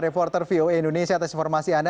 reporter voe indonesia atas informasi anda